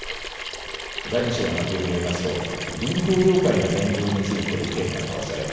財務省の発表によりますと銀行業界の現状について意見が交わされ